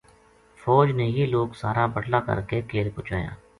فوج نے یہ لوک سارا بٹلا کر کے کیل پوہچایا